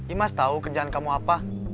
imas tahu kerjaan kamu apa